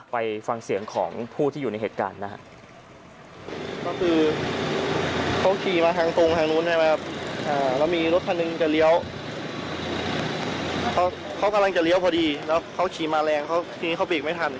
ไปฟังเสียงของผู้ที่อยู่ในเหตุการณ์นะครับ